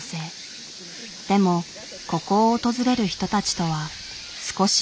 でもここを訪れる人たちとは少し目的が違うという。